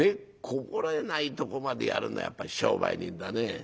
こぼれないとこまでやるのはやっぱり商売人だね。